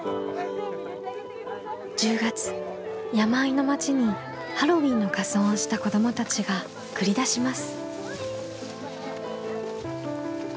１０月山あいの町にハロウィーンの仮装をした子どもたちが繰り出します。